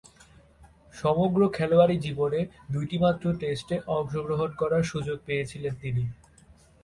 সমগ্র খেলোয়াড়ী জীবনে দুইটিমাত্র টেস্টে অংশগ্রহণ করার সুযোগ পেয়েছিলেন তিনি।